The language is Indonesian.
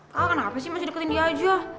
kau kenapa sih masih deketin dia aja